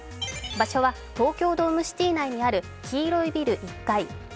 場所は東京ドームシティ内にある黄色いビル１階。